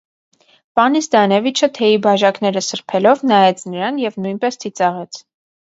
Պանի Զդանևիչը, թեյի բաժակները սրբելով, նայեց նրան և նույնպես ծիծաղեց: